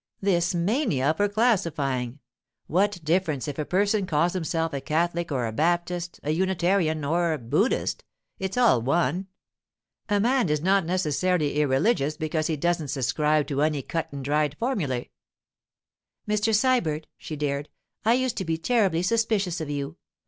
'This mania for classifying! What difference if a person calls himself a Catholic or a Baptist, a Unitarian or a Buddhist? It's all one. A man is not necessarily irreligious because he doesn't subscribe to any cut and dried formulae.' 'Mr. Sybert,' she dared, 'I used to be terribly suspicious of you.